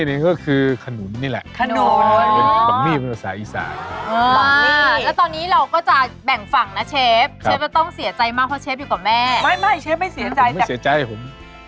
มาเยือนตรงนี้ไม่เคยหลีใครเลยนะเราอะอืม